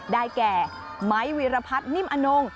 ได้แก่ไม้วีรพัฒน์นิ่มอนง